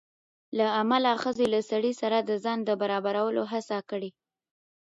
له امله ښځې له سړي سره د ځان د برابرولو هڅه کړې